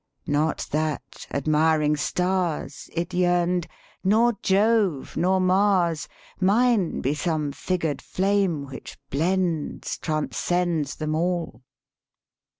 Not that, admiring stars, It yearned, 'Nor Jove, nor Mars; Mine be some figured flame which blends, tran scends them all'!